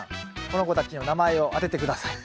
この子たちの名前を当てて下さい。